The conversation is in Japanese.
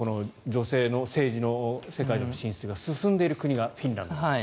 女性の政治の世界への進出が進んでいる国がフィンランドと。